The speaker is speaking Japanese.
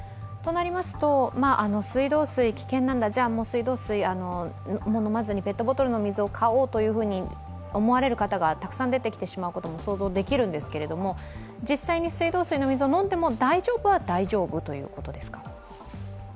水道水、危険なんだ、じゃ、もう水道水を飲まずにペットボトルの水を買おうと思われる方がたくさん出てきてしまうことも想像できるんですけれども、実際に水道水の水を飲んでも大丈夫は大丈夫ということですか？